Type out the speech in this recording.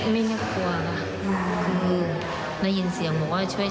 ไม่ได้กลัวค่ะอืมอืมแล้วยินเสียงหมดก็จะช่วยชีวิต